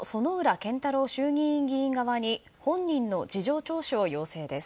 健太郎衆議院側に本人の事情聴取を要請です。